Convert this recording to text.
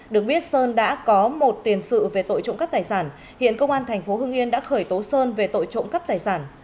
được biết sơn đã có một tiền sự về tội trộm cắp tài sản hiện công an tp hưng yên đã khởi tố sơn về tội trộm cắp tài sản